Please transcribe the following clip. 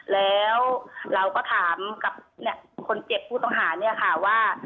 แล้วเราก็ถามกับคนเจ็บผู้ต้องหาเนี่ยค่ะว่า